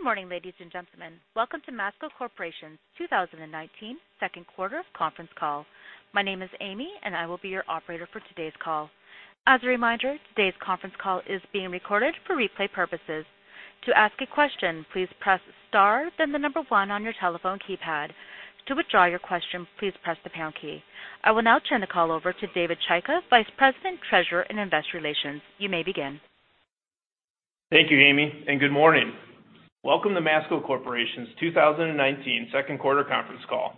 Good morning, ladies and gentlemen. Welcome to Masco Corporation's 2019 second quarter conference call. My name is Amy, and I will be your operator for today's call. As a reminder, today's conference call is being recorded for replay purposes. To ask a question, please press star then the number 1 on your telephone keypad. To withdraw your question, please press the pound key. I will now turn the call over to David Chaika, Vice President, Treasurer, and Investor Relations. You may begin. Thank you, Amy, and good morning. Welcome to Masco Corporation's 2019 second quarter conference call.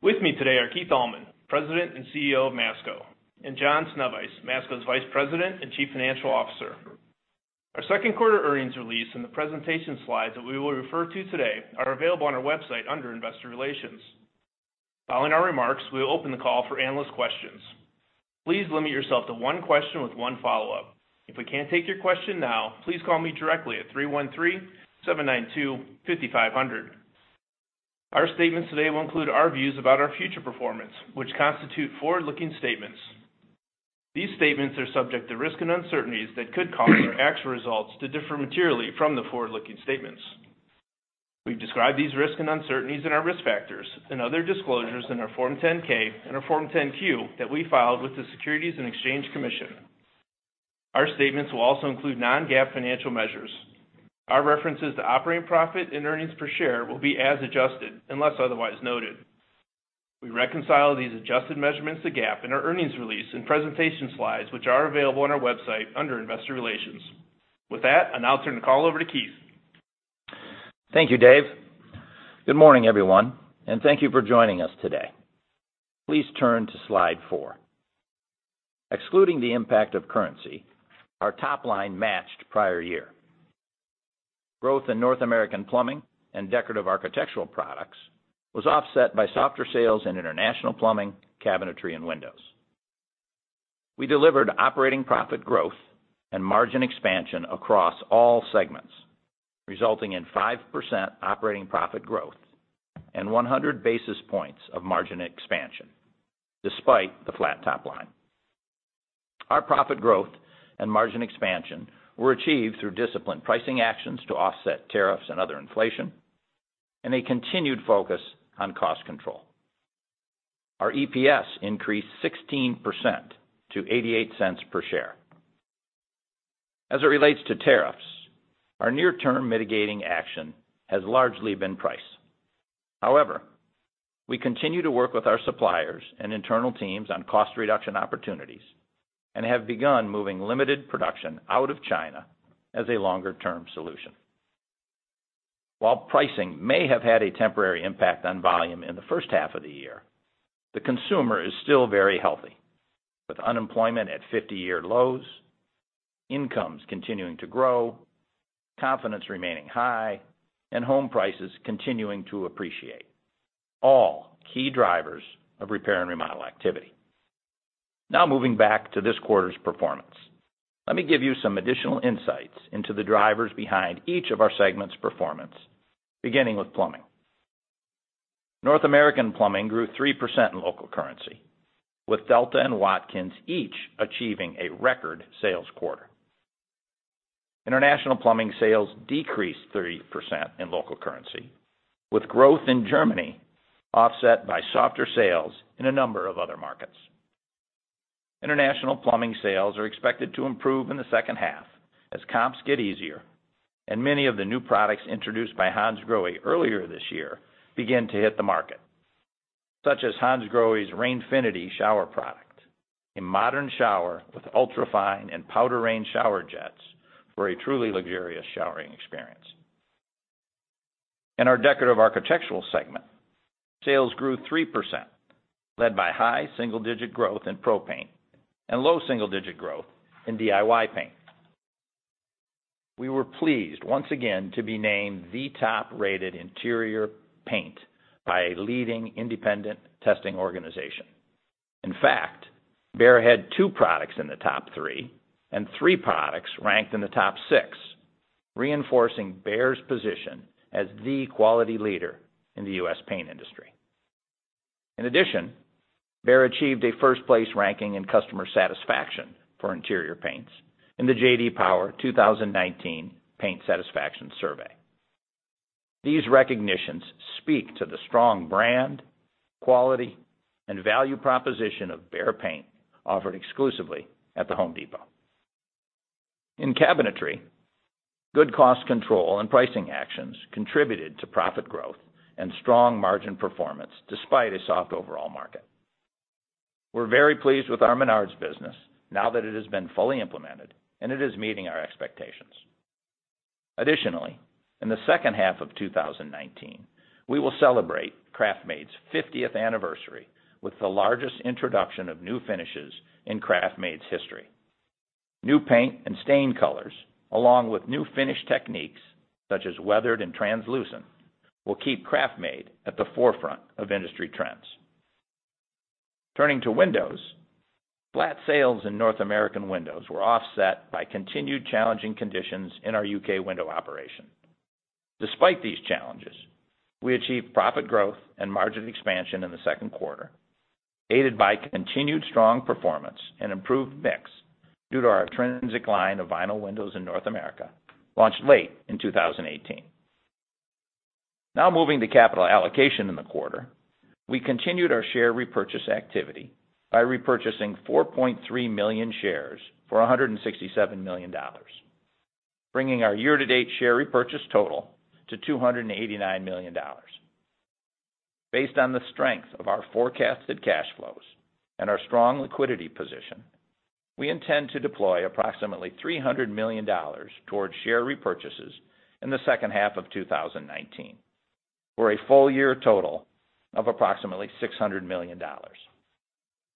With me today are Keith Allman, President and CEO of Masco, and John Sznewajs, Masco's Vice President and Chief Financial Officer. Our second quarter earnings release and the presentation slides that we will refer to today are available on our website under Investor Relations. Following our remarks, we'll open the call for analyst questions. Please limit yourself to one question with one follow-up. If we can't take your question now, please call me directly at 313-792-5500. Our statements today will include our views about our future performance, which constitute forward-looking statements. These statements are subject to risks and uncertainties that could cause our actual results to differ materially from the forward-looking statements. We've described these risks and uncertainties in our risk factors and other disclosures in our Form 10-K and our Form 10-Q that we filed with the Securities and Exchange Commission. Our statements will also include non-GAAP financial measures. Our references to operating profit and earnings per share will be as adjusted unless otherwise noted. We reconcile these adjusted measurements to GAAP in our earnings release and presentation slides, which are available on our website under Investor Relations. With that, I now turn the call over to Keith. Thank you, Dave. Good morning, everyone, and thank you for joining us today. Please turn to Slide 4. Excluding the impact of currency, our top line matched prior year. Growth in North American Plumbing and Decorative Architectural Products was offset by softer sales in International Plumbing, Cabinetry, and Windows. We delivered operating profit growth and margin expansion across all segments, resulting in 5% operating profit growth and 100 basis points of margin expansion despite the flat top line. Our profit growth and margin expansion were achieved through disciplined pricing actions to offset tariffs and other inflation and a continued focus on cost control. Our EPS increased 16% to $0.88 per share. As it relates to tariffs, our near-term mitigating action has largely been price. However, we continue to work with our suppliers and internal teams on cost reduction opportunities and have begun moving limited production out of China as a longer-term solution. While pricing may have had a temporary impact on volume in the first half of the year, the consumer is still very healthy. With unemployment at 50-year lows, incomes continuing to grow, confidence remaining high, and home prices continuing to appreciate. All key drivers of R&R activity. Moving back to this quarter's performance. Let me give you some additional insights into the drivers behind each of our segment's performance, beginning with Plumbing. North American Plumbing grew 3% in local currency, with Delta and Watkins each achieving a record sales quarter. International Plumbing sales decreased 30% in local currency, with growth in Germany offset by softer sales in a number of other markets. International Plumbing sales are expected to improve in the second half as comps get easier and many of the new products introduced by Hansgrohe earlier this year begin to hit the market, such as Hansgrohe's Rainfinity shower product, a modern shower with ultra-fine and powder rain shower jets for a truly luxurious showering experience. In our Decorative Architectural segment, sales grew 3%, led by high single-digit growth in pro paint and low double-digit growth in DIY paint. We were pleased once again to be named the top-rated interior paint by a leading independent testing organization. In fact, Behr had two products in the top three and three products ranked in the top six, reinforcing Behr's position as the quality leader in the U.S. paint industry. In addition, Behr achieved a first-place ranking in customer satisfaction for interior paints in the J.D. Power 2019 Paint Satisfaction Survey. These recognitions speak to the strong brand, quality, and value proposition of Behr paint offered exclusively at The Home Depot. In Cabinetry, good cost control and pricing actions contributed to profit growth and strong margin performance despite a soft overall market. We're very pleased with our Menards business now that it has been fully implemented, and it is meeting our expectations. In the second half of 2019, we will celebrate KraftMaid's 50th anniversary with the largest introduction of new finishes in KraftMaid's history. New paint and stain colors, along with new finish techniques such as weathered and translucent, will keep KraftMaid at the forefront of industry trends. Turning to Windows, flat sales in North American Windows were offset by continued challenging conditions in our U.K. window operation. Despite these challenges, we achieved profit growth and margin expansion in the second quarter. Aided by continued strong performance and improved mix due to our Trinsic line of vinyl windows in North America, launched late in 2018. Moving to capital allocation in the quarter, we continued our share repurchase activity by repurchasing 4.3 million shares for $167 million, bringing our year-to-date share repurchase total to $289 million. Based on the strength of our forecasted cash flows and our strong liquidity position, we intend to deploy approximately $300 million towards share repurchases in the second half of 2019, for a full-year total of approximately $600 million.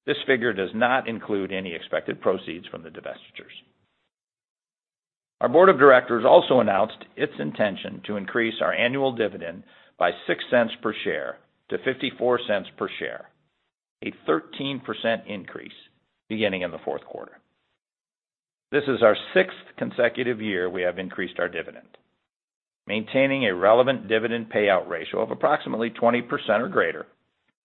This figure does not include any expected proceeds from the divestitures. Our board of directors also announced its intention to increase our annual dividend by $0.06 per share to $0.54 per share, a 13% increase beginning in the fourth quarter. This is our sixth consecutive year we have increased our dividend. Maintaining a relevant dividend payout ratio of approximately 20% or greater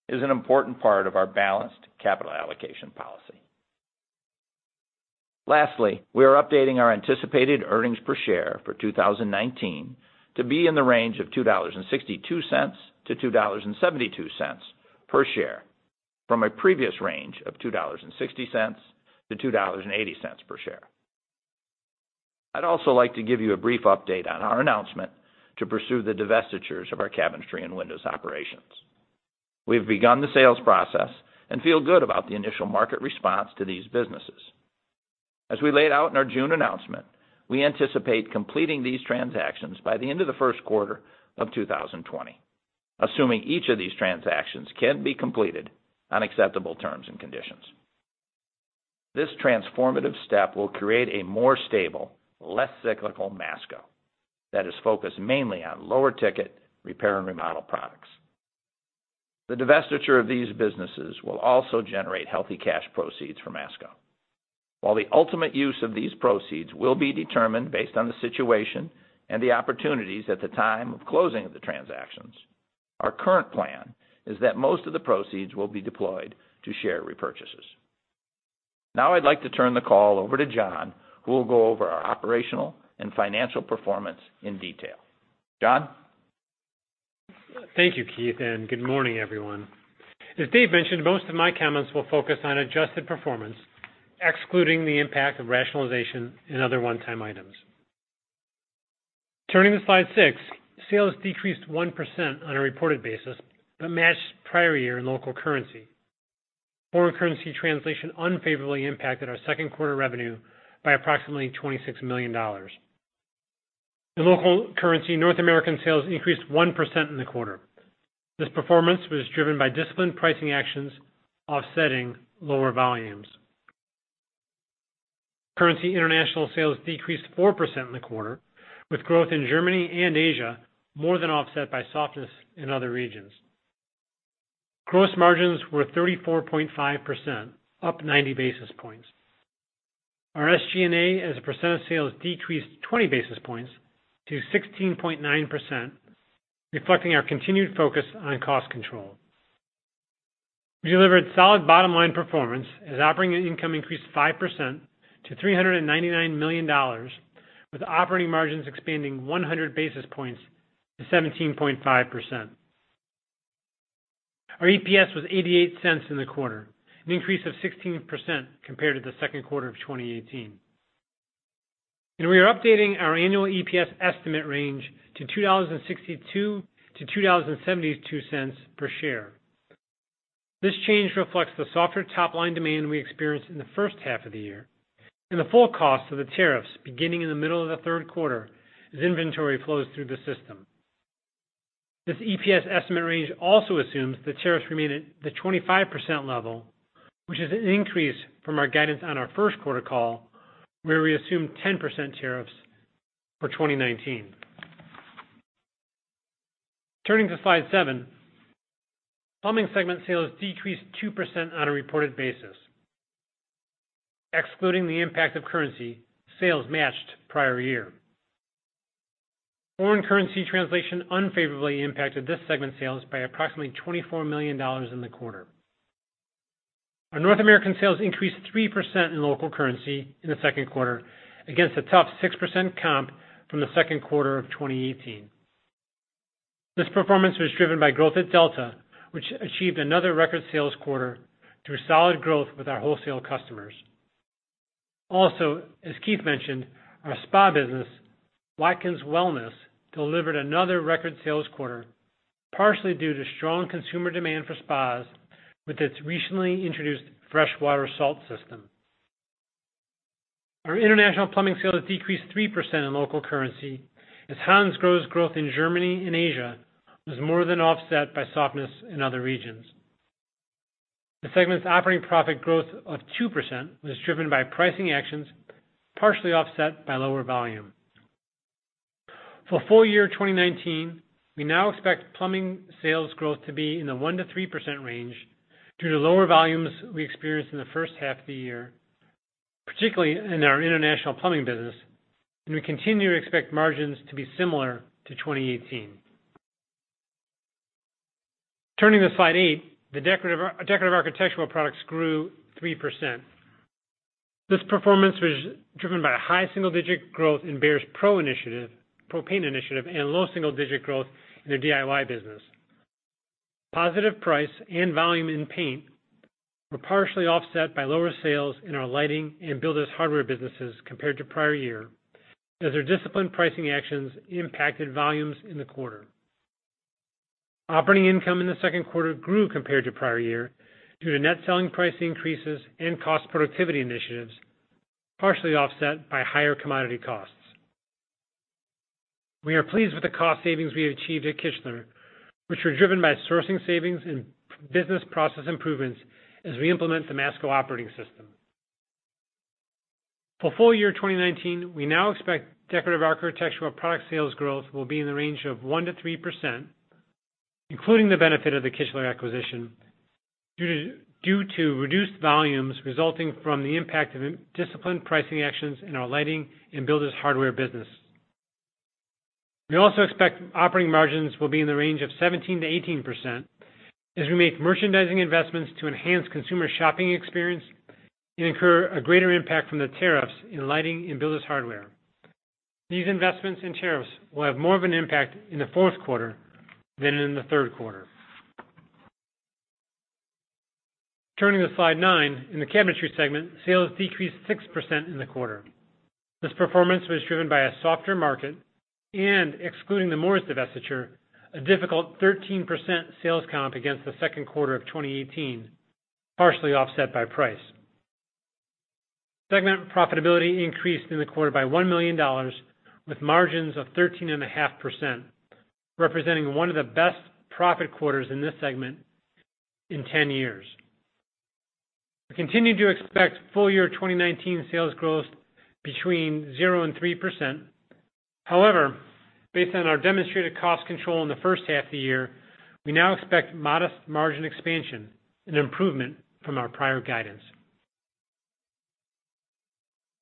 is an important part of our balanced capital allocation policy. Lastly, we are updating our anticipated earnings per share for 2019 to be in the range of $2.62-$2.72 per share, from a previous range of $2.60-$2.80 per share. I'd also like to give you a brief update on our announcement to pursue the divestitures of our cabinetry and windows operations. We've begun the sales process and feel good about the initial market response to these businesses. As we laid out in our June announcement, we anticipate completing these transactions by the end of the first quarter of 2020, assuming each of these transactions can be completed on acceptable terms and conditions. This transformative step will create a more stable, less cyclical Masco that is focused mainly on lower-ticket repair and remodel products. The divestiture of these businesses will also generate healthy cash proceeds for Masco. While the ultimate use of these proceeds will be determined based on the situation and the opportunities at the time of closing of the transactions, our current plan is that most of the proceeds will be deployed to share repurchases. Now I'd like to turn the call over to John, who will go over our operational and financial performance in detail. John? Thank you, Keith, and good morning, everyone. As Dave mentioned, most of my comments will focus on adjusted performance, excluding the impact of rationalization and other one-time items. Turning to slide six, sales decreased 1% on a reported basis but matched prior year in local currency. Foreign currency translation unfavorably impacted our second quarter revenue by approximately $26 million. In local currency, North American sales increased 1% in the quarter. This performance was driven by disciplined pricing actions offsetting lower volumes. Currency international sales decreased 4% in the quarter, with growth in Germany and Asia more than offset by softness in other regions. Gross margins were 34.5%, up 90 basis points. Our SG&A as a % of sales decreased 20 basis points to 16.9%, reflecting our continued focus on cost control. We delivered solid bottom-line performance as operating income increased 5% to $399 million, with operating margins expanding 100 basis points to 17.5%. Our EPS was $0.88 in the quarter, an increase of 16% compared to the second quarter of 2018. We are updating our annual EPS estimate range to $2.62-$2.72 per share. This change reflects the softer top-line demand we experienced in the first half of the year and the full cost of the tariffs beginning in the middle of the third quarter as inventory flows through the system. This EPS estimate range also assumes the tariffs remain at the 25% level, which is an increase from our guidance on our first quarter call, where we assumed 10% tariffs for 2019. Turning to slide seven, plumbing segment sales decreased 2% on a reported basis. Excluding the impact of currency, sales matched prior year. Foreign currency translation unfavorably impacted this segment's sales by approximately $24 million in the quarter. Our North American sales increased 3% in local currency in the second quarter against a tough 6% comp from the second quarter of 2018. This performance was driven by growth at Delta, which achieved another record sales quarter through solid growth with our wholesale customers. Also, as Keith mentioned, our spa business, Watkins Wellness, delivered another record sales quarter, partially due to strong consumer demand for spas with its recently introduced FreshWater Salt System. Our international plumbing sales decreased 3% in local currency as Hansgrohe's growth in Germany and Asia was more than offset by softness in other regions. The segment's operating profit growth of 2% was driven by pricing actions, partially offset by lower volume. For full-year 2019, we now expect plumbing sales growth to be in the 1%-3% range due to lower volumes we experienced in the first half of the year, particularly in our international plumbing business, and we continue to expect margins to be similar to 2018. Turning to slide eight, the Decorative Architectural Products grew 3%. This performance was driven by high single-digit growth in Behr's PRO paint initiative, and low double-digit growth in the DIY business. Positive price and volume in paint were partially offset by lower sales in our lighting and builders' hardware businesses compared to prior year, as our disciplined pricing actions impacted volumes in the quarter. Operating income in the second quarter grew compared to prior year due to net selling price increases and cost productivity initiatives, partially offset by higher commodity costs. We are pleased with the cost savings we achieved at Kichler, which were driven by sourcing savings and business process improvements as we implement the Masco Operating System. For full year 2019, we now expect Decorative Architectural Products sales growth will be in the range of 1%-3%, including the benefit of the Kichler acquisition, due to reduced volumes resulting from the impact of disciplined pricing actions in our lighting and builders' hardware business. We also expect operating margins will be in the range of 17%-18% as we make merchandising investments to enhance consumer shopping experience and incur a greater impact from the tariffs in lighting and builders' hardware. These investments and tariffs will have more of an impact in the fourth quarter than in the third quarter. Turning to slide nine, in the cabinetry segment, sales decreased 6% in the quarter. This performance was driven by a softer market, and excluding the Moores divestiture, a difficult 13% sales comp against the second quarter of 2018, partially offset by price. Segment profitability increased in the quarter by $1 million with margins of 13.5%, representing one of the best profit quarters in this segment in 10 years. We continue to expect full year 2019 sales growth between 0% and 3%. However, based on our demonstrated cost control in the first half of the year, we now expect modest margin expansion, an improvement from our prior guidance.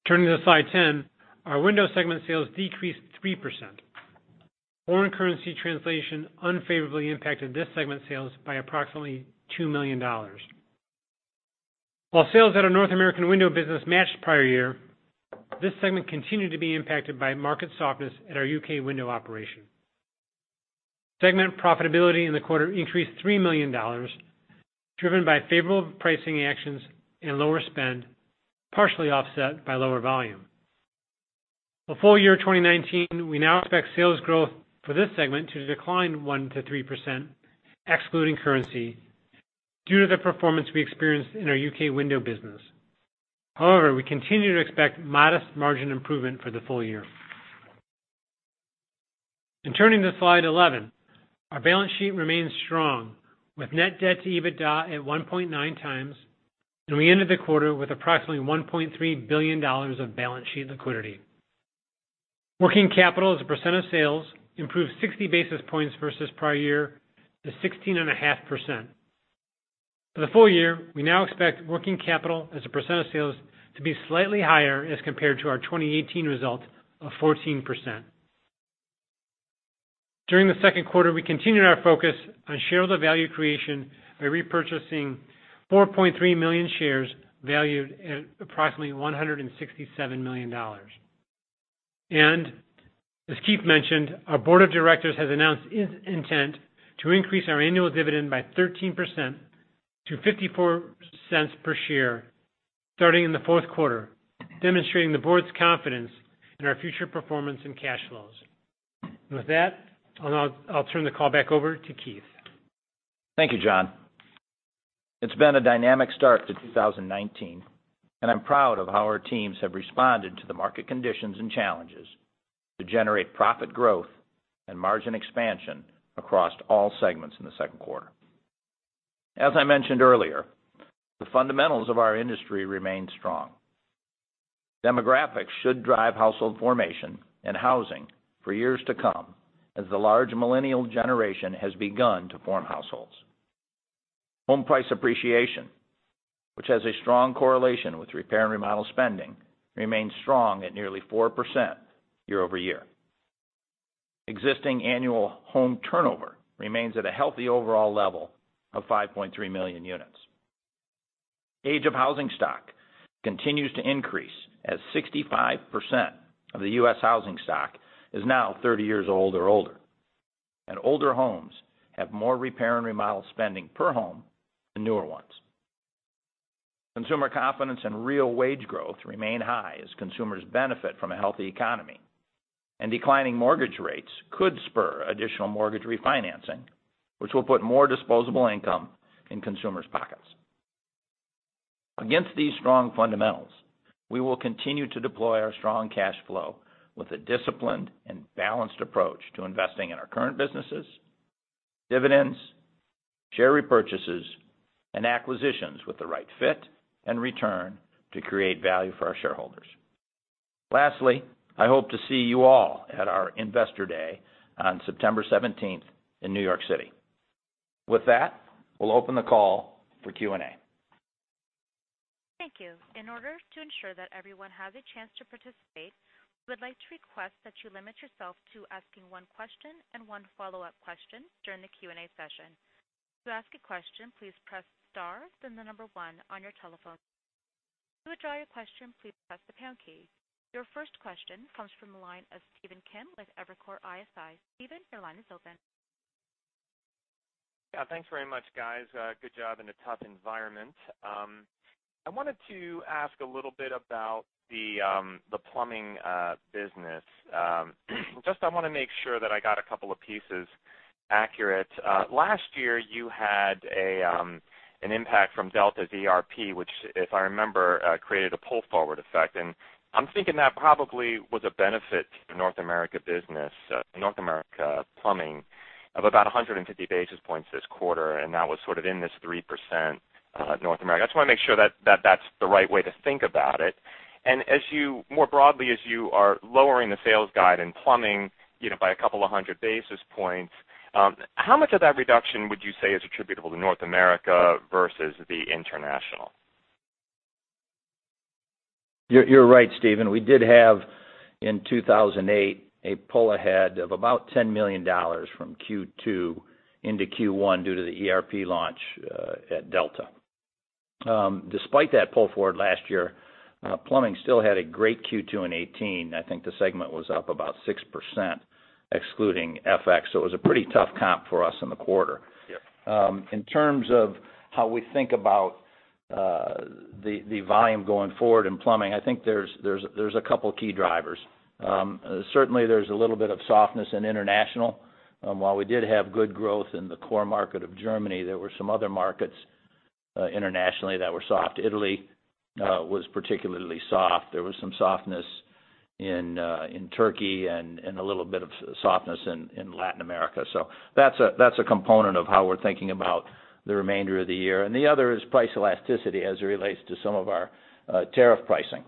Turning to slide 10, our window segment sales decreased 3%. Foreign currency translation unfavorably impacted this segment's sales by approximately $2 million. While sales at our North American window business matched prior year, this segment continued to be impacted by market softness at our U.K. window operation. Segment profitability in the quarter increased $3 million, driven by favorable pricing actions and lower spend, partially offset by lower volume. For full year 2019, we now expect sales growth for this segment to decline 1%-3%, excluding currency, due to the performance we experienced in our U.K. window business. However, we continue to expect modest margin improvement for the full year. Turning to slide 11, our balance sheet remains strong, with net debt to EBITDA at 1.9 times, and we ended the quarter with approximately $1.3 billion of balance sheet liquidity. Working capital as a percent of sales improved 60 basis points versus prior year to 16.5%. For the full year, we now expect working capital as a percent of sales to be slightly higher as compared to our 2018 result of 14%. During the second quarter, we continued our focus on shareholder value creation by repurchasing 4.3 million shares valued at approximately $167 million. As Keith mentioned, our board of directors has announced its intent to increase our annual dividend by 13% to $0.54 per share starting in the fourth quarter, demonstrating the board's confidence in our future performance and cash flows. With that, I'll now turn the call back over to Keith. Thank you, John. It's been a dynamic start to 2019, and I'm proud of how our teams have responded to the market conditions and challenges to generate profit growth and margin expansion across all segments in the second quarter. As I mentioned earlier, the fundamentals of our industry remain strong. Demographics should drive household formation and housing for years to come as the large millennial generation has begun to form households. Home price appreciation, which has a strong correlation with repair and remodel spending, remains strong at nearly 4% year-over-year. Existing annual home turnover remains at a healthy overall level of 5.3 million units. Age of housing stock continues to increase as 65% of the U.S. housing stock is now 30 years old or older, and older homes have more repair and remodel spending per home than newer ones. Consumer confidence and real wage growth remain high as consumers benefit from a healthy economy, and declining mortgage rates could spur additional mortgage refinancing, which will put more disposable income in consumers' pockets. Against these strong fundamentals, we will continue to deploy our strong cash flow with a disciplined and balanced approach to investing in our current businesses, dividends, share repurchases, and acquisitions with the right fit and return to create value for our shareholders. Lastly, I hope to see you all at our Investor Day on September 17th in New York City. With that, we'll open the call for Q&A. Thank you. In order to ensure that everyone has a chance to participate, we would like to request that you limit yourself to asking one question and one follow-up question during the Q&A session. To ask a question, please press star then the number one on your telephone. To withdraw your question, please press the pound key. Your first question comes from the line of Stephen Kim with Evercore ISI. Stephen, your line is open. Thanks very much, guys. Good job in a tough environment. I wanted to ask a little bit about the plumbing business. I want to make sure that I got a couple of pieces accurate. Last year you had an impact from Delta ERP, which, if I remember, created a pull-forward effect. I'm thinking that probably was a benefit to North America Plumbing of about 150 basis points this quarter, and that was sort of in this 3% North America. I just want to make sure that's the right way to think about it. More broadly, as you are lowering the sales guide in plumbing by a couple of hundred basis points, how much of that reduction would you say is attributable to North America versus the international? You're right, Steven. We did have, in 2018, a pull ahead of about $10 million from Q2 into Q1 due to the ERP launch at Delta. Despite that pull forward last year, plumbing still had a great Q2 in 2018. I think the segment was up about 6%, excluding FX, so it was a pretty tough comp for us in the quarter. Yep. In terms of how we think about the volume going forward in plumbing, I think there's a couple key drivers. Certainly, there's a little bit of softness in international. While we did have good growth in the core market of Germany, there were some other markets internationally that were soft. Italy was particularly soft. There was some softness in Turkey and a little bit of softness in Latin America. That's a component of how we're thinking about the remainder of the year. The other is price elasticity as it relates to some of our tariff pricing.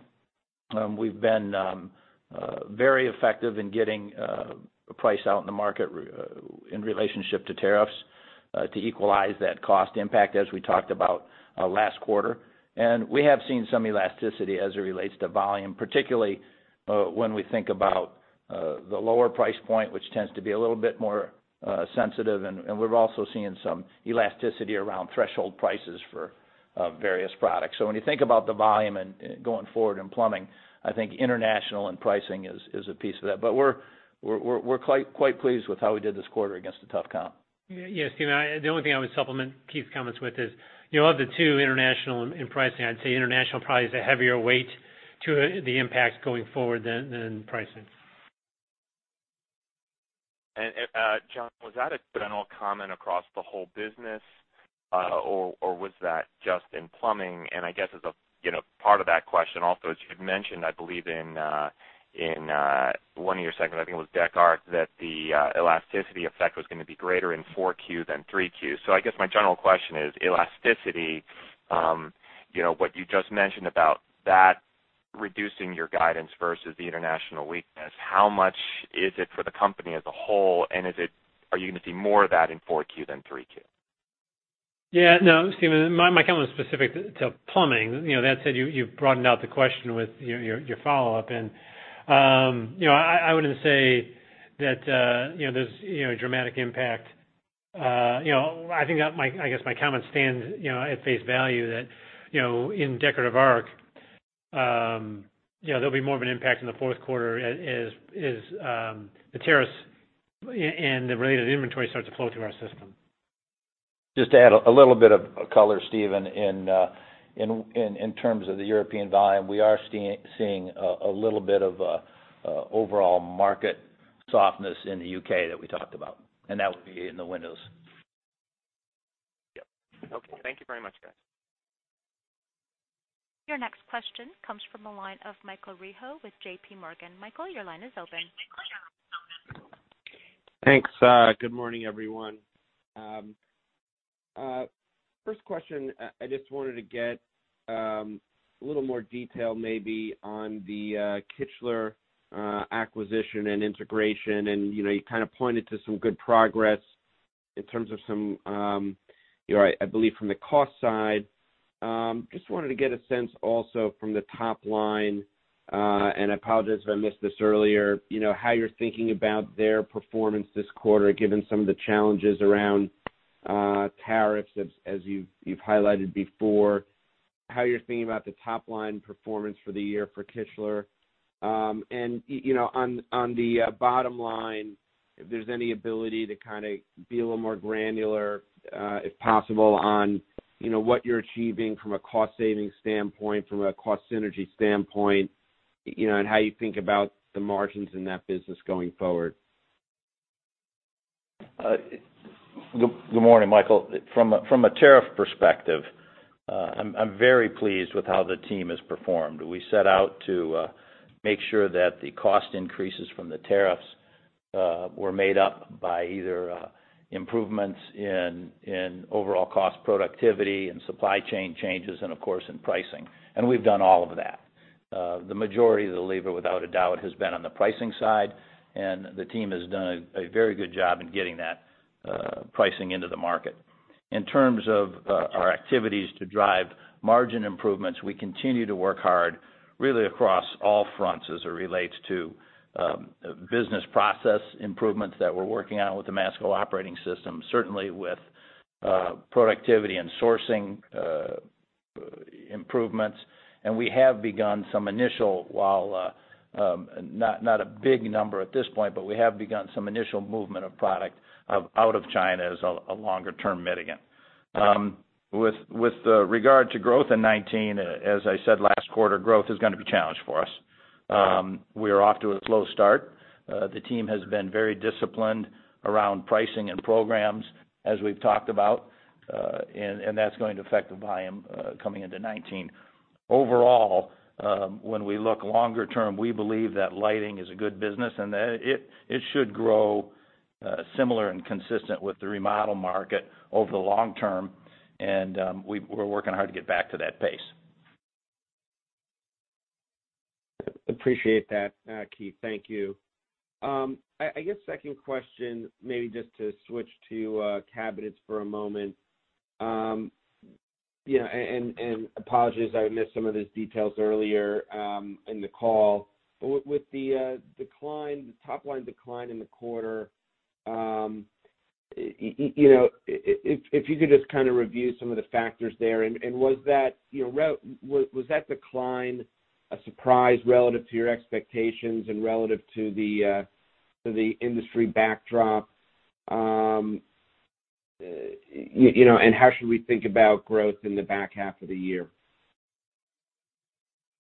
We've been very effective in getting price out in the market in relationship to tariffs to equalize that cost impact as we talked about last quarter. We have seen some elasticity as it relates to volume, particularly when we think about the lower price point, which tends to be a little bit more sensitive. We're also seeing some elasticity around threshold prices for various products. When you think about the volume going forward in plumbing, I think international and pricing is a piece of that. We're quite pleased with how we did this quarter against a tough comp. Yeah, Steven, the only thing I would supplement Keith's comments with is, of the two, international and pricing, I'd say international probably is a heavier weight to the impact going forward than pricing. John, was that a general comment across the whole business, or was that just in plumbing? I guess as a part of that question also, as you had mentioned, I believe in one of your segments, I think it was Dec Arc, that the elasticity effect was going to be greater in 4Q than 3Q. I guess my general question is elasticity, what you just mentioned about that reducing your guidance versus the international weakness, how much is it for the company as a whole, and are you going to see more of that in 4Q than 3Q? Yeah. No, Stephen, my comment was specific to plumbing. That said, you've broadened out the question with your follow-up. I wouldn't say that there's a dramatic impact. I think that, I guess my comment stands at face value that, in Decorative Architectural, there'll be more of an impact in the fourth quarter as the tariffs and the related inventory start to flow through our system. Just to add a little bit of color, Steven, in terms of the European volume, we are seeing a little bit of overall market softness in the U.K. that we talked about, and that would be in the windows. Yep. Okay. Thank you very much, guys. Your next question comes from the line of Michael Rehaut with JPMorgan. Michael, your line is open. Thanks. Good morning, everyone. First question, I just wanted to get a little more detail maybe on the Kichler acquisition and integration. You kind of pointed to some good progress in terms of some, I believe from the cost side. Just wanted to get a sense also from the top line. I apologize if I missed this earlier, how you're thinking about their performance this quarter, given some of the challenges around tariffs as you've highlighted before, how you're thinking about the top-line performance for the year for Kichler. On the bottom line, if there's any ability to kind of be a little more granular, if possible, on what you're achieving from a cost-saving standpoint, from a cost synergy standpoint, and how you think about the margins in that business going forward. Good morning, Michael. From a tariff perspective, I'm very pleased with how the team has performed. We set out to make sure that the cost increases from the tariffs were made up by either improvements in overall cost productivity and supply chain changes and, of course, in pricing. We've done all of that. The majority of the lever, without a doubt, has been on the pricing side, and the team has done a very good job in getting that pricing into the market. In terms of our activities to drive margin improvements, we continue to work hard really across all fronts as it relates to business process improvements that we're working on with the Masco Operating System, certainly with productivity and sourcing improvements. We have begun some initial, while not a big number at this point, but we have begun some initial movement of product out of China as a longer-term mitigant. With regard to growth in 2019, as I said last quarter, growth is going to be a challenge for us. We are off to a slow start. The team has been very disciplined around pricing and programs as we've talked about, and that's going to affect the volume coming into 2019. Overall, when we look longer term, we believe that lighting is a good business, and that it should grow similar and consistent with the remodel market over the long term. We're working hard to get back to that pace. Appreciate that, Keith. Thank you. I guess second question, maybe just to switch to cabinets for a moment. Apologies, I missed some of these details earlier in the call. With the top-line decline in the quarter, if you could just kind of review some of the factors there. Was that decline a surprise relative to your expectations and relative to the industry backdrop? How should we think about growth in the back half of the year?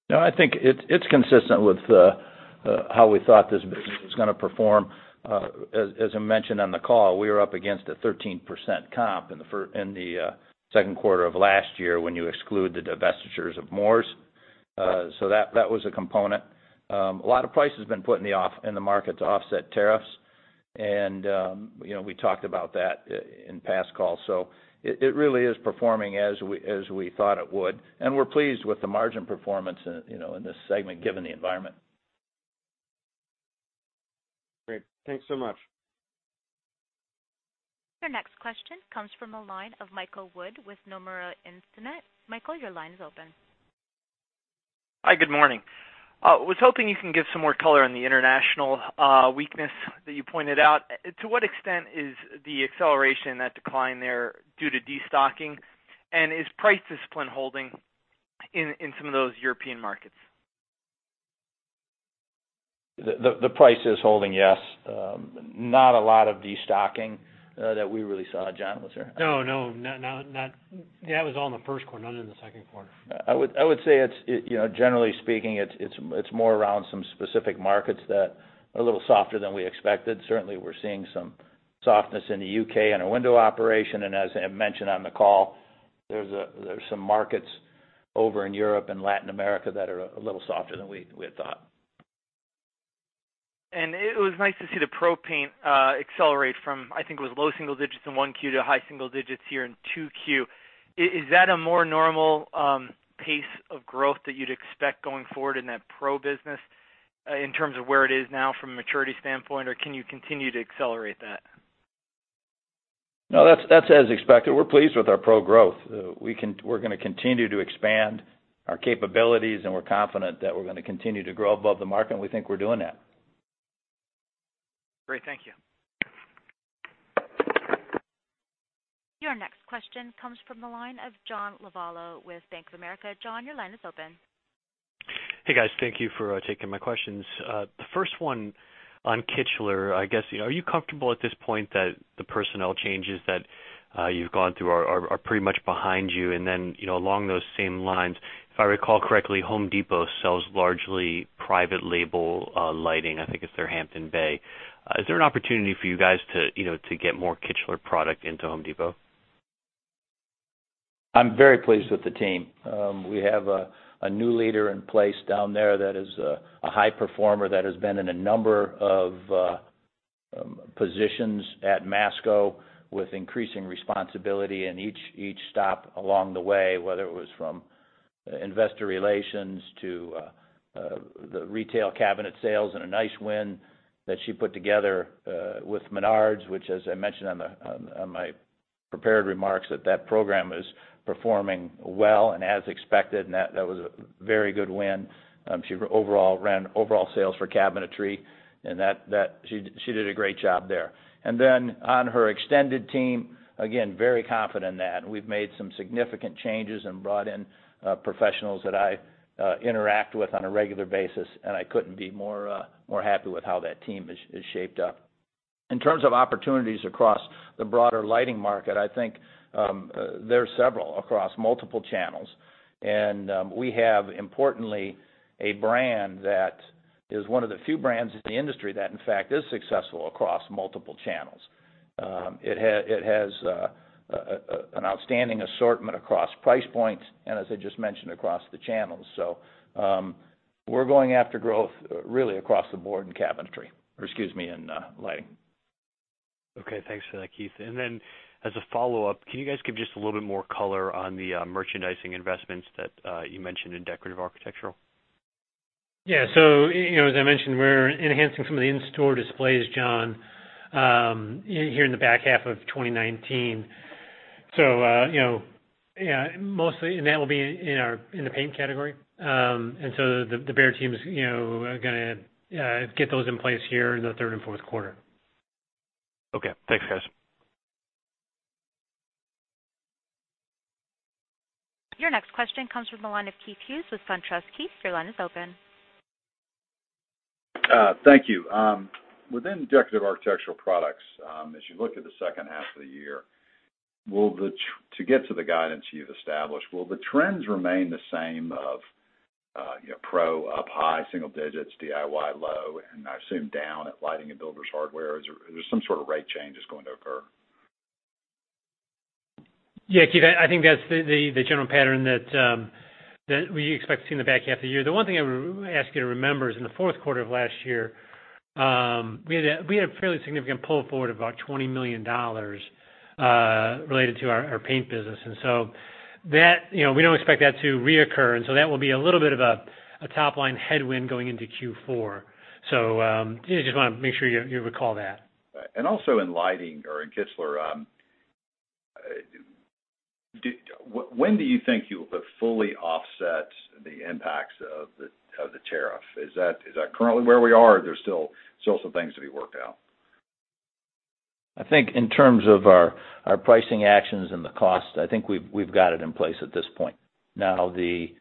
No, I think it's consistent with how we thought this business was going to perform. As I mentioned on the call, we were up against a 13% comp in the second quarter of last year when you exclude the divestitures of Moores. That was a component. A lot of price has been put in the market to offset tariffs. We talked about that in past calls. It really is performing as we thought it would. We're pleased with the margin performance in this segment, given the environment. Great. Thanks so much. Your next question comes from the line of Michael Wood with Nomura Instinet. Michael, your line is open. Hi, good morning. I was hoping you can give some more color on the international weakness that you pointed out. To what extent is the acceleration in that decline there due to destocking? Is price discipline holding in some of those European markets? The price is holding, yes. Not a lot of destocking that we really saw. John, was there? No. That was all in the first quarter, not in the second quarter. I would say, generally speaking, it's more around some specific markets that are a little softer than we expected. Certainly, we're seeing some softness in the U.K. in our window operation. As I mentioned on the call, there's some markets over in Europe and Latin America that are a little softer than we had thought. It was nice to see the pro paint accelerate from, I think it was low single digits in 1Q to high single digits here in 2Q. Is that a more normal pace of growth that you'd expect going forward in that pro business in terms of where it is now from a maturity standpoint? Or can you continue to accelerate that? No, that's as expected. We're pleased with our pro growth. We're going to continue to expand our capabilities. We're confident that we're going to continue to grow above the market. We think we're doing that. Great. Thank you. Your next question comes from the line of John Lovallo with Bank of America. John, your line is open. Hey, guys. Thank you for taking my questions. The first one on Kichler. I guess, are you comfortable at this point that the personnel changes that you've gone through are pretty much behind you? Along those same lines, if I recall correctly, Home Depot sells largely private label lighting. I think it's their Hampton Bay. Is there an opportunity for you guys to get more Kichler product into Home Depot? I'm very pleased with the team. We have a new leader in place down there that is a high performer, that has been in a number of positions at Masco with increasing responsibility in each stop along the way, whether it was from investor relations to the retail cabinet sales and a nice win that she put together with Menards, which, as I mentioned on my prepared remarks, that program is performing well and as expected, and that was a very good win. She ran overall sales for cabinetry. She did a great job there. On her extended team, again, very confident in that. We've made some significant changes and brought in professionals that I interact with on a regular basis, and I couldn't be more happy with how that team has shaped up. In terms of opportunities across the broader lighting market, I think there are several across multiple channels, and we have, importantly, a brand that is one of the few brands in the industry that, in fact, is successful across multiple channels. It has an outstanding assortment across price points, and as I just mentioned, across the channels. We're going after growth really across the board in lighting. Okay. Thanks for that, Keith. As a follow-up, can you guys give just a little bit more color on the merchandising investments that you mentioned in Decorative Architectural? Yeah. As I mentioned, we're enhancing some of the in-store displays, John, here in the back half of 2019. Mostly, that will be in the paint category. The Behr team is going to get those in place here in the third and fourth quarter. Okay. Thanks, guys. Your next question comes from the line of Keith Hughes with SunTrust. Keith, your line is open. Thank you. Within Decorative Architectural Products, as you look at the second half of the year, to get to the guidance you've established, will the trends remain the same of pro up high single digits, DIY low, and I assume down at lighting and builders' hardware? Is there some sort of rate changes going to occur? Yeah, Keith, I think that's the general pattern that we expect to see in the back half of the year. The one thing I would ask you to remember is in the fourth quarter of last year, we had a fairly significant pull forward, about $20 million, related to our paint business. We don't expect that to reoccur, and so that will be a little bit of a top-line headwind going into Q4. Just want to make sure you recall that. Right. Also in lighting or in Kichler, when do you think you will have fully offset the impacts of the tariff? Is that currently where we are, or there's still some things to be worked out? I think in terms of our pricing actions and the cost, I think we've got it in place at this point. Now, in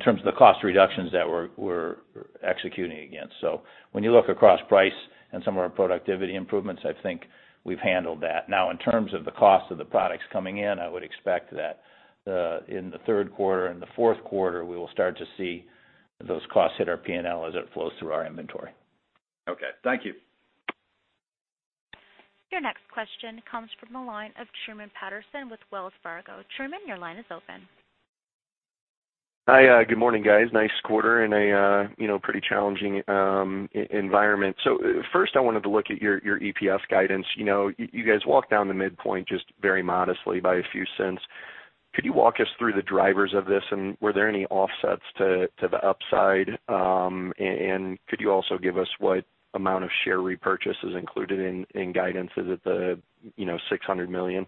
terms of the cost reductions that we're executing against, when you look across price and some of our productivity improvements, I think we've handled that. Now, in terms of the cost of the products coming in, I would expect that in the third quarter and the fourth quarter, we will start to see those costs hit our P&L as it flows through our inventory. Okay. Thank you. Your next question comes from the line of Truman Patterson with Wells Fargo. Truman, your line is open. Hi. Good morning, guys. Nice quarter in a pretty challenging environment. First, I wanted to look at your EPS guidance. You guys walked down the midpoint just very modestly by a few cents. Could you walk us through the drivers of this, and were there any offsets to the upside? Could you also give us what amount of share repurchase is included in guidance? Is it the $600 million?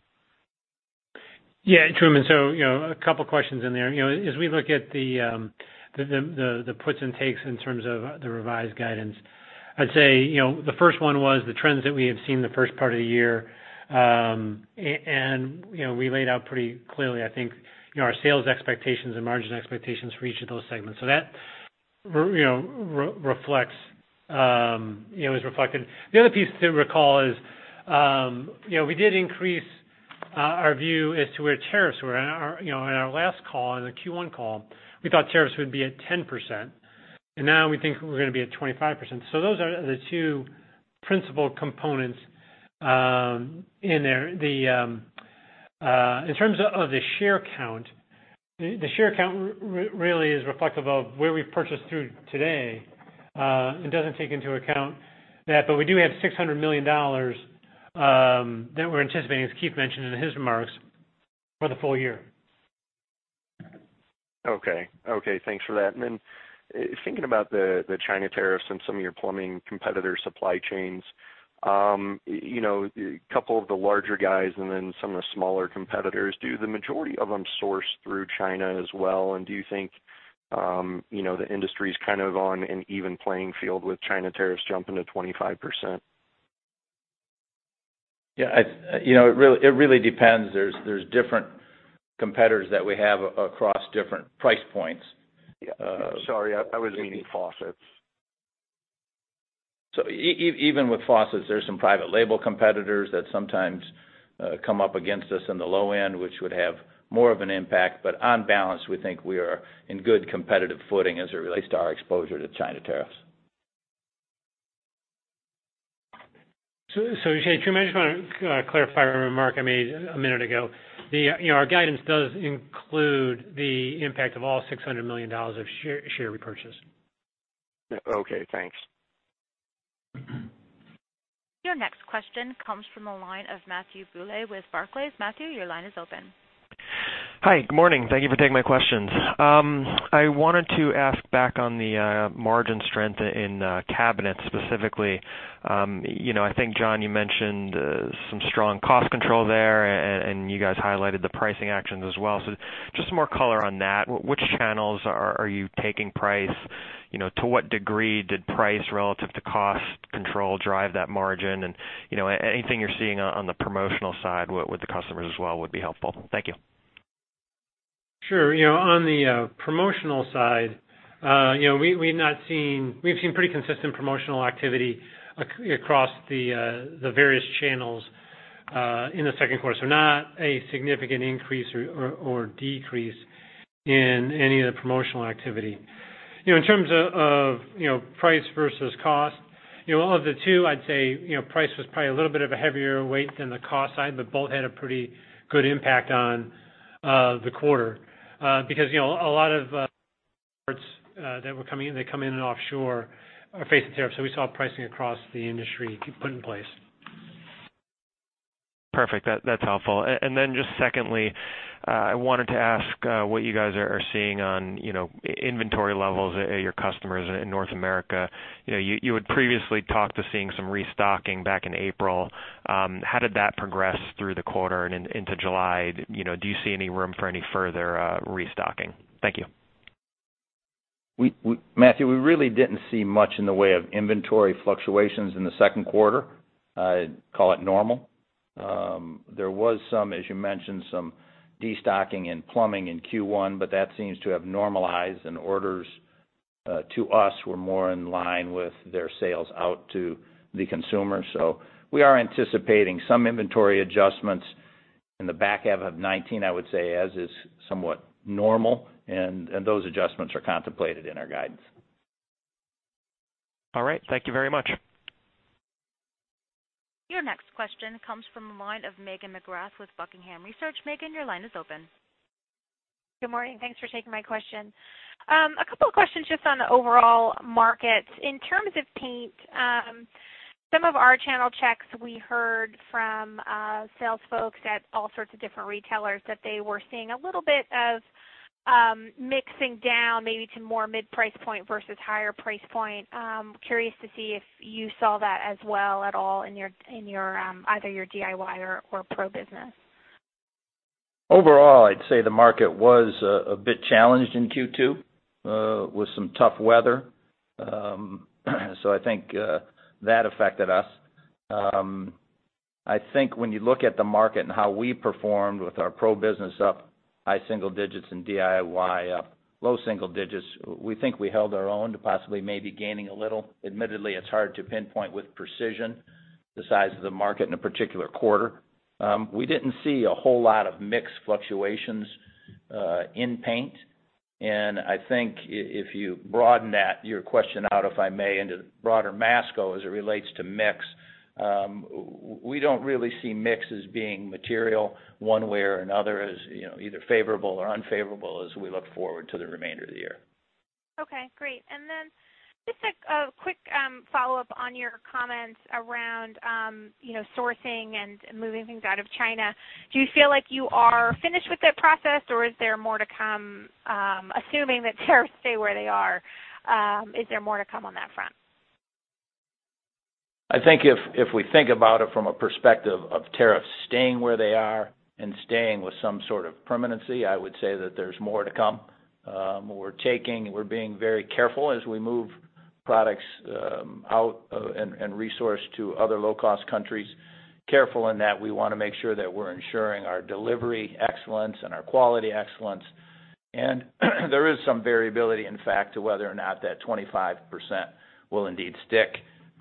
Truman, a couple of questions in there. As we look at the puts and takes in terms of the revised guidance, I'd say, the first one was the trends that we have seen the first part of the year. We laid out pretty clearly, I think, our sales expectations and margin expectations for each of those segments. That is reflected. The other piece to recall is we did increase our view as to where tariffs were. In our last call, in the Q1 call, we thought tariffs would be at 10%, and now we think we're going to be at 25%. Those are the two principal components in there. In terms of the share count, the share count really is reflective of where we've purchased through today. It doesn't take into account that, but we do have $600 million that we're anticipating, as Keith mentioned in his remarks, for the full year. Okay. Thanks for that. Thinking about the China tariffs and some of your plumbing competitor supply chains, a couple of the larger guys and then some of the smaller competitors, do the majority of them source through China as well, and do you think the industry's kind of on an even playing field with China tariffs jumping to 25%? Yeah. It really depends. There's different competitors that we have across different price points. Yeah. Sorry, I was meaning faucets. Even with faucets, there's some private label competitors that sometimes come up against us in the low end, which would have more of an impact. On balance, we think we are in good competitive footing as it relates to our exposure to China tariffs. Truman, I just want to clarify a remark I made a minute ago. Our guidance does include the impact of all $600 million of share repurchase. Okay. Thanks. Your next question comes from the line of Matthew Bouley with Barclays. Matthew, your line is open. Hi. Good morning. Thank you for taking my questions. I wanted to ask back on the margin strength in cabinets specifically. I think, John, you mentioned some strong cost control there, and you guys highlighted the pricing actions as well. Just some more color on that. Which channels are you taking price? To what degree did price relative to cost control drive that margin? Anything you're seeing on the promotional side with the customers as well would be helpful. Thank you. Sure. On the promotional side, we've seen pretty consistent promotional activity across the various channels. In the second quarter, not a significant increase or decrease in any of the promotional activity. In terms of price versus cost, of the two, I'd say, price was probably a little bit of a heavier weight than the cost side, but both had a pretty good impact on the quarter. Because a lot of parts that were coming in, they come in and offshore are facing tariffs, so we saw pricing across the industry put in place. Perfect. That's helpful. Then just secondly, I wanted to ask what you guys are seeing on inventory levels at your customers in North America. You had previously talked to seeing some restocking back in April. How did that progress through the quarter and into July? Do you see any room for any further restocking? Thank you. Matthew, we really didn't see much in the way of inventory fluctuations in the second quarter. I'd call it normal. There was some, as you mentioned, some destocking in plumbing in Q1, but that seems to have normalized, and orders to us were more in line with their sales out to the consumer. We are anticipating some inventory adjustments in the back half of 2019, I would say, as is somewhat normal, and those adjustments are contemplated in our guidance. All right. Thank you very much. Your next question comes from the line of Megan McGrath with Buckingham Research. Megan, your line is open. Good morning. Thanks for taking my question. A couple of questions just on the overall market. In terms of paint, some of our channel checks we heard from sales folks at all sorts of different retailers, that they were seeing a little bit of mixing down maybe to more mid-price point versus higher price point. Curious to see if you saw that as well at all in either your DIY or pro business. Overall I'd say the market was a bit challenged in Q2 with some tough weather. I think that affected us. I think when you look at the market and how we performed with our pro business up high single digits and DIY up low single digits, we think we held our own to possibly maybe gaining a little. Admittedly, it's hard to pinpoint with precision the size of the market in a particular quarter. We didn't see a whole lot of mix fluctuations in paint. I think if you broaden your question out, if I may, into the broader Masco as it relates to mix, we don't really see mix as being material one way or another as either favorable or unfavorable as we look forward to the remainder of the year. Okay, great. Just a quick follow-up on your comments around sourcing and moving things out of China. Do you feel like you are finished with that process, or is there more to come, assuming that tariffs stay where they are, is there more to come on that front? I think if we think about it from a perspective of tariffs staying where they are and staying with some sort of permanency, I would say that there's more to come. We're being very careful as we move products out and resource to other low-cost countries. Careful in that we want to make sure that we're ensuring our delivery excellence and our quality excellence. There is some variability, in fact, to whether or not that 25% will indeed stick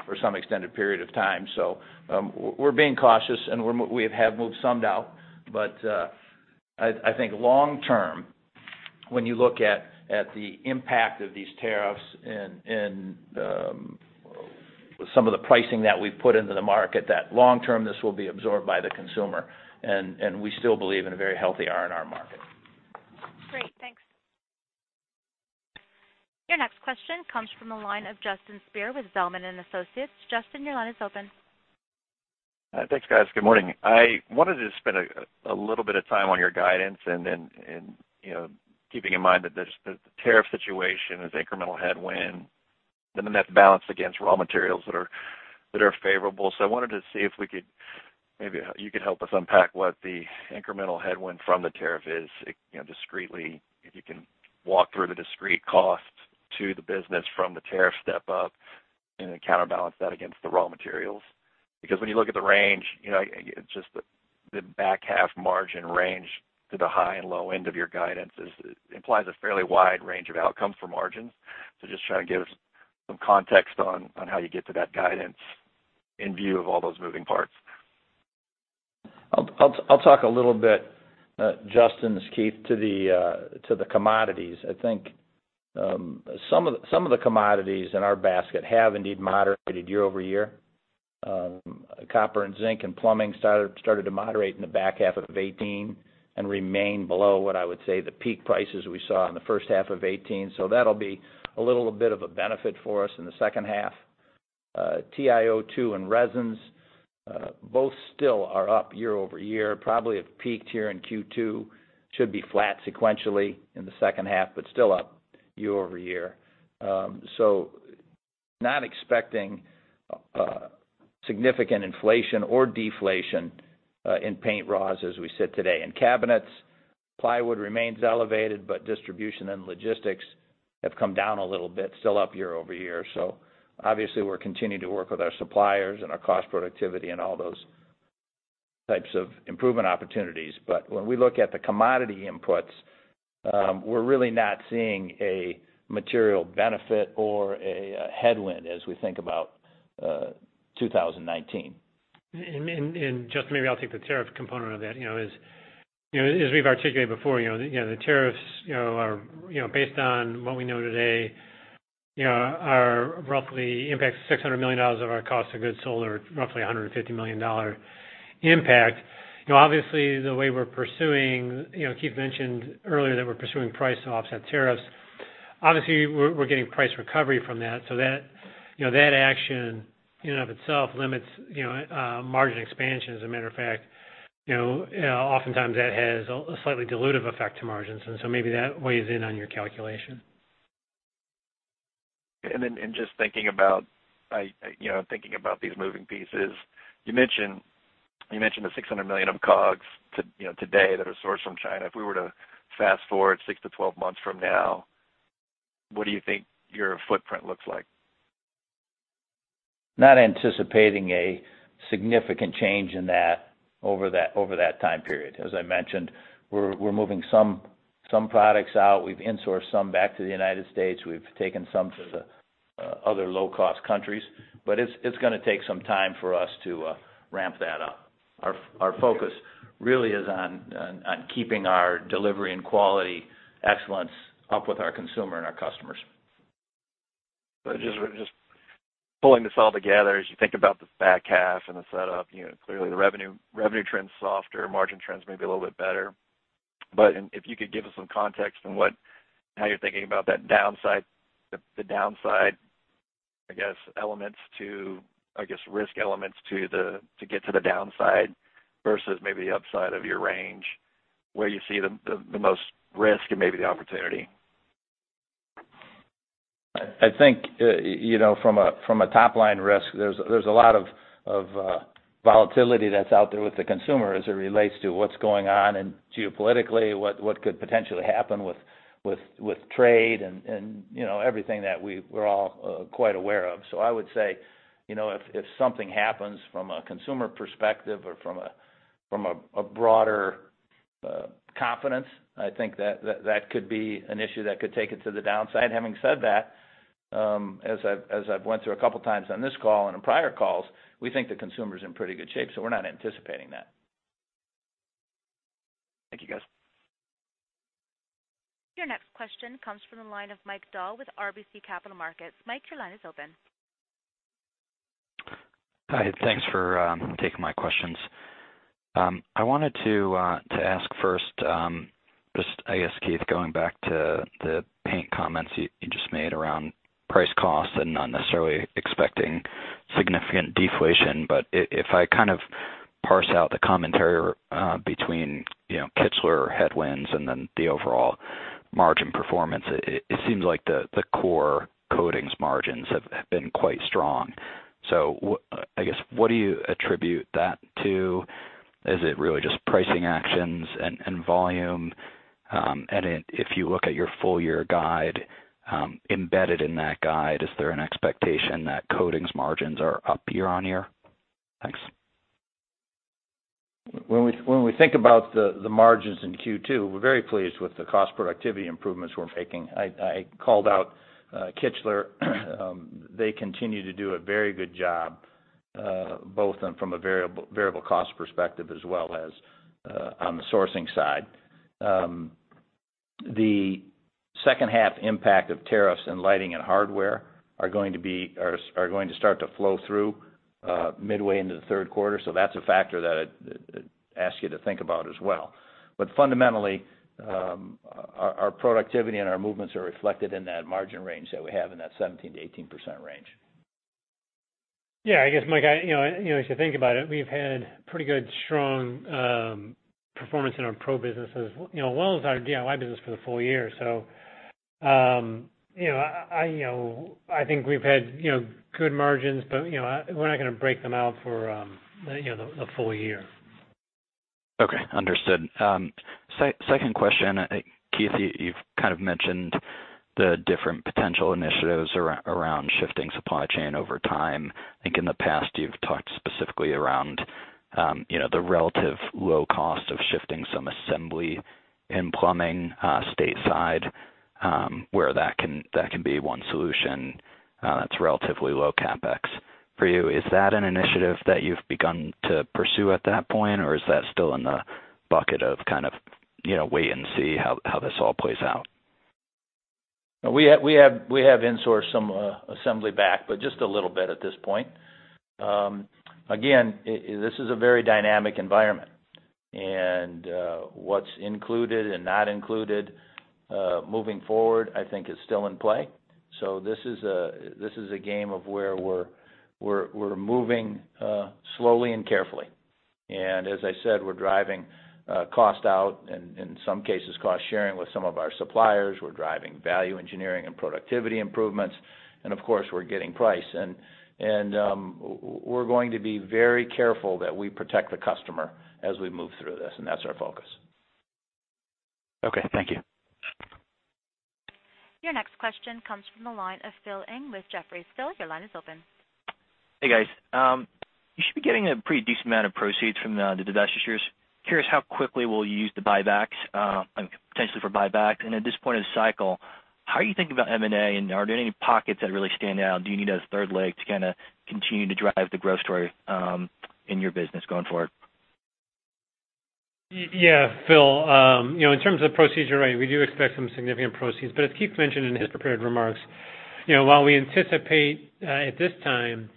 for some extended period of time. We're being cautious, and we have moved some out. I think long term, when you look at the impact of these tariffs and some of the pricing that we've put into the market, that long term, this will be absorbed by the consumer, and we still believe in a very healthy R&R market. Great. Thanks. Your next question comes from the line of Justin Speer with Zelman & Associates. Justin, your line is open. Thanks, guys. Good morning. I wanted to spend a little bit of time on your guidance, keeping in mind that the tariff situation is incremental headwind, that's balanced against raw materials that are favorable. I wanted to see if maybe you could help us unpack what the incremental headwind from the tariff is, discreetly. If you can walk through the discrete costs to the business from the tariff step up counterbalance that against the raw materials. When you look at the range, just the back half margin range to the high and low end of your guidance implies a fairly wide range of outcomes for margins. Just trying to get some context on how you get to that guidance in view of all those moving parts. I'll talk a little bit, Justin, as Keith, to the commodities. I think some of the commodities in our basket have indeed moderated year-over-year. Copper and zinc and plumbing started to moderate in the back half of 2018 and remain below what I would say the peak prices we saw in the first half of 2018. That'll be a little bit of a benefit for us in the second half. TiO2 and resins both still are up year-over-year, probably have peaked here in Q2. Should be flat sequentially in the second half, but still up year-over-year. Not expecting significant inflation or deflation in paint raws as we sit today. In cabinets, plywood remains elevated, but distribution and logistics have come down a little bit. Still up year-over-year. Obviously, we're continuing to work with our suppliers and our cost productivity and all those types of improvement opportunities. When we look at the commodity inputs, we're really not seeing a material benefit or a headwind as we think about 2019. Just maybe I'll take the tariff component of that. As we've articulated before, the tariffs, based on what we know today, roughly impact $600 million of our cost of goods sold or roughly $150 million impact. Obviously, the way we're pursuing, Keith mentioned earlier that we're pursuing price to offset tariffs. Obviously, we're getting price recovery from that, so that action in and of itself limits margin expansion. As a matter of fact, oftentimes that has a slightly dilutive effect to margins, and so maybe that weighs in on your calculation. Just thinking about these moving pieces, you mentioned the $600 million of COGS today that are sourced from China. If we were to fast-forward 6 to 12 months from now, what do you think your footprint looks like? Not anticipating a significant change in that over that time period. As I mentioned, we're moving some products out. We've in-sourced some back to the United States. We've taken some to the other low-cost countries, but it's going to take some time for us to ramp that up. Our focus really is on keeping our delivery and quality excellence up with our consumer and our customers. Just pulling this all together, as you think about the back half and the setup, clearly the revenue trend's softer, margin trend's maybe a little bit better. If you could give us some context on how you're thinking about the downside, I guess, elements to, I guess, risk elements to get to the downside versus maybe upside of your range, where you see the most risk and maybe the opportunity. I think from a top-line risk, there's a lot of volatility that's out there with the consumer as it relates to what's going on and geopolitically what could potentially happen with trade and everything that we're all quite aware of. I would say, if something happens from a consumer perspective or from a broader confidence, I think that could be an issue that could take it to the downside. Having said that, as I've went through a couple of times on this call and on prior calls, we think the consumer's in pretty good shape, we're not anticipating that. Thank you, guys. Your next question comes from the line of Mike Dahl with RBC Capital Markets. Mike, your line is open. Hi, thanks for taking my questions. I wanted to ask first, just, I guess, Keith, going back to the paint comments you just made around price cost and not necessarily expecting significant deflation, but if I kind of parse out the commentary between Kichler headwinds and then the overall margin performance, it seems like the core coatings margins have been quite strong. I guess, what do you attribute that to? Is it really just pricing actions and volume? If you look at your full-year guide, embedded in that guide, is there an expectation that coatings margins are up year-on-year? Thanks. When we think about the margins in Q2, we're very pleased with the cost productivity improvements we're making. I called out Kichler. They continue to do a very good job, both from a variable cost perspective as well as on the sourcing side. The second half impact of tariffs in lighting and hardware are going to start to flow through midway into the third quarter. That's a factor that I'd ask you to think about as well. Fundamentally, our productivity and our movements are reflected in that margin range that we have in that 17%-18% range. Yeah, I guess, Mike, if you think about it, we've had pretty good, strong performance in our pro businesses as well as our DIY business for the full year. I think we've had good margins, but we're not going to break them out for the full year. Okay. Understood. Second question. Keith, you've kind of mentioned the different potential initiatives around shifting supply chain over time. I think in the past, you've talked specifically around the relative low cost of shifting some assembly in plumbing stateside, where that can be one solution that's relatively low CapEx for you. Is that an initiative that you've begun to pursue at that point, or is that still in the bucket of kind of wait and see how this all plays out? We have in-sourced some assembly back, but just a little bit at this point. Again, this is a very dynamic environment, and what's included and not included, moving forward, I think is still in play. This is a game of where we're moving slowly and carefully. As I said, we're driving cost out, in some cases cost sharing with some of our suppliers. We're driving value engineering and productivity improvements. Of course, we're getting price. We're going to be very careful that we protect the customer as we move through this, and that's our focus. Okay. Thank you. Your next question comes from the line of Phil Ng with Jefferies. Phil, your line is open. Hey, guys. You should be getting a pretty decent amount of proceeds from the divestitures. Curious how quickly will you use the buybacks, potentially for buyback? At this point in the cycle, how are you thinking about M&A, and are there any pockets that really stand out? Do you need a third leg to kind of continue to drive the growth story in your business going forward? Phil, in terms of proceeds, you're right, we do expect some significant proceeds. As Keith mentioned in his prepared remarks, while we anticipate, at this time,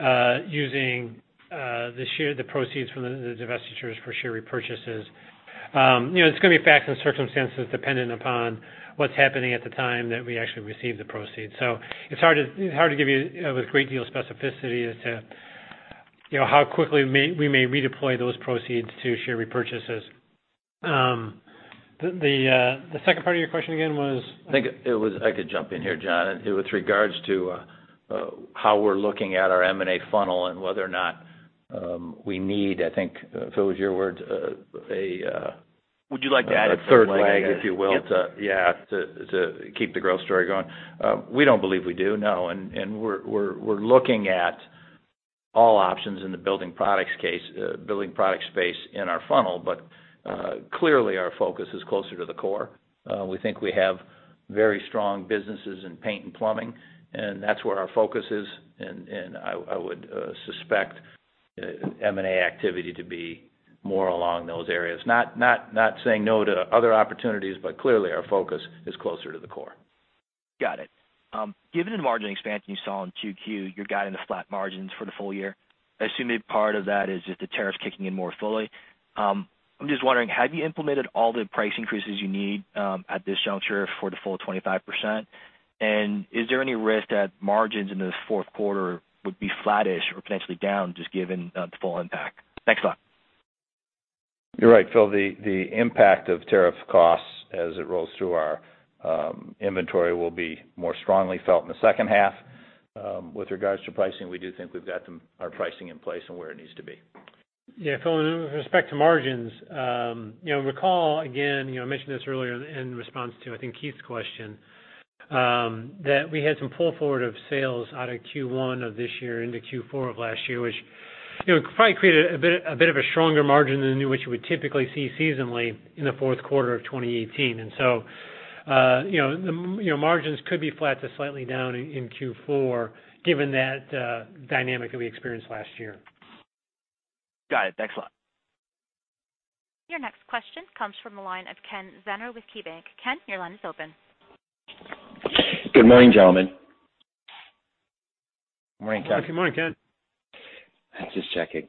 using the proceeds from the divestitures for share repurchases, it's going to be facts and circumstances dependent upon what's happening at the time that we actually receive the proceeds. It's hard to give you a great deal of specificity as to how quickly we may redeploy those proceeds to share repurchases. The second part of your question again was? I think I could jump in here, John. It was with regards to how we're looking at our M&A funnel and whether or not we need, I think, Phil, it was your word. Would you like to add it? A third leg, if you will. Yes yeah, to keep the growth story going. We don't believe we do, no. We're looking at all options in the building products space in our funnel. Clearly, our focus is closer to the core. We think we have very strong businesses in paint and plumbing, and that's where our focus is. I would suspect M&A activity to be more along those areas. Not saying no to other opportunities, but clearly, our focus is closer to the core. Got it. Given the margin expansion you saw in Q2, you're guiding to flat margins for the full year. I assume a part of that is just the tariffs kicking in more fully. I'm just wondering, have you implemented all the price increases you need at this juncture for the full 25%? Is there any risk that margins in the fourth quarter would be flattish or potentially down, just given the full impact? Thanks a lot. You're right, Phil. The impact of tariff costs as it rolls through our inventory will be more strongly felt in the second half. With regards to pricing, we do think we've got our pricing in place and where it needs to be. Yeah. Phil, with respect to margins, recall, again, I mentioned this earlier in response to, I think, Keith's question, that we had some pull forward of sales out of Q1 of this year into Q4 of last year, which probably created a bit of a stronger margin than what you would typically see seasonally in the fourth quarter of 2018. Margins could be flat to slightly down in Q4 given that dynamic that we experienced last year. Got it. Thanks a lot. Your next question comes from the line of Ken Zuerner with KeyBank. Ken, your line is open. Good morning, gentlemen. Morning, Ken. Good morning, Ken. I was just checking.